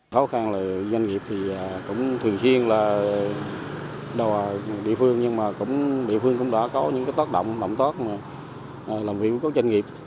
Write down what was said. khó khăn là doanh nghiệp thì cũng thường xuyên là đòi địa phương nhưng mà cũng địa phương cũng đã có những cái tốt động động tốt mà làm việc có doanh nghiệp